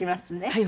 はい。